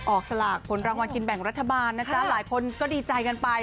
สลากผลรางวัลกินแบ่งรัฐบาลนะจ๊ะหลายคนก็ดีใจกันไป